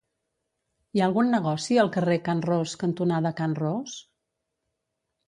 Hi ha algun negoci al carrer Can Ros cantonada Can Ros?